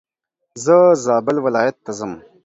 زه زابل ولايت ته ځم.